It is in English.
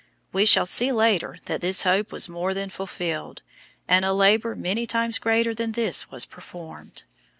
We shall see later that this hope was more than fulfilled, and a labour many times greater than this was performed.